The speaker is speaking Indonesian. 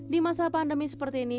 di masa pandemi seperti ini